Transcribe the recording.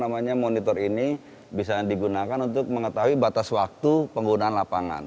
namanya monitor ini bisa digunakan untuk mengetahui batas waktu penggunaan lapangan